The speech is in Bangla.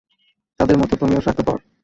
তাদের মতো তুমিও স্বার্থপর!